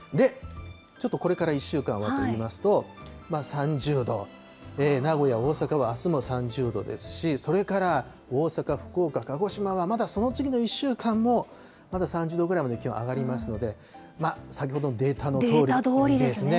ちょっとこれから１週間はといいますと、３０度、名古屋、大阪はあすも３０度ですし、それから大阪、福岡、鹿児島はまだその次の１週間も、まだ３０度ぐらいまで気温上がりますので、先ほどのデデータどおりですね。